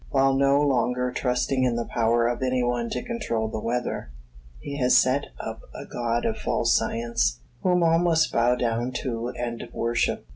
While no longer trusting in the power of any one to control the weather, he has set up a god of false science, whom all must bow down to and worship.